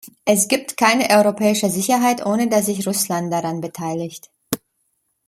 Es gibt keine europäische Sicherheit, ohne dass sich Russland daran beteiligt.